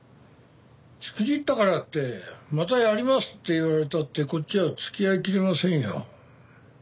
しくじったからってまたやりますって言われたってこっちは付き合いきれませんよ。